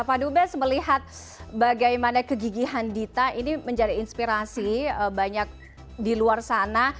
pak dubes melihat bagaimana kegigihan dita ini menjadi inspirasi banyak di luar sana